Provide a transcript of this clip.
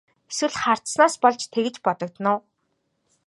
Эсвэл хардсанаас болж тэгж бодогдоно уу?